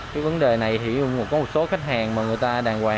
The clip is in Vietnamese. cái vấn đề này thì có một số khách hàng mà người ta đàng hoàng